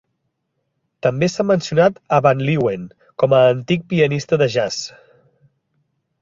També s'ha mencionat a Van Leeuwen com a antic pianista de jazz.